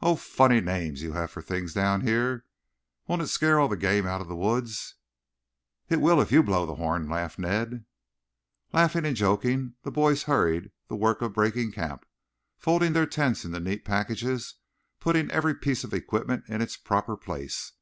"Oh! Funny names you have for things down here. Won't it scare all the game out of the woods?" "It will if you blow the horn," laughed Ned. Laughing and joking the boys hurried the work of breaking camp, folding their tents into neat packages, putting every piece of equipment in its proper place.